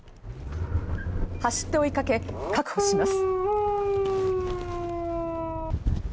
走って追いかけ、確保します。